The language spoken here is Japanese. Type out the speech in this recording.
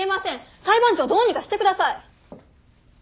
裁判長どうにかしてください！